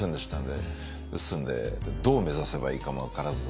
ですんでどう目指せばいいかも分からず。